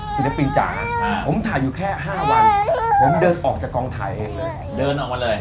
ศิลปินจาผมถ่ายอยู่แค่๕วันผมเดินออกจากกองถ่ายเองเลย